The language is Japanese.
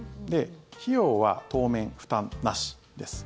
費用は当面負担なしです。